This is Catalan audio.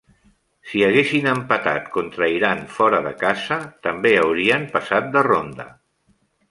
Si haguessin empatat contra Iran fora de casa, també haurien passat de ronda.